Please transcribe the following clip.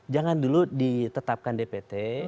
jangan dulu ditetapkan dpt